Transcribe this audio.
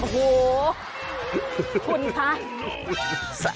โอ้โหคุณคะ